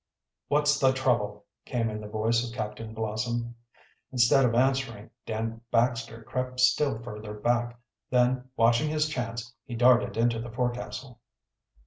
"What's the trouble?" came in the voice of Captain Blossom. Instead of answering, Dan Baxter crept still further back. Then, watching his chance, he darted into the forecastle.